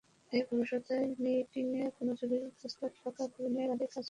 এই ভরসাতেই মীটিঙে কোনো জরুরি প্রস্তাব পাকা করে নেবার আগেই কাজ অনেকদূর এগিয়ে রাখে।